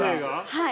◆はい。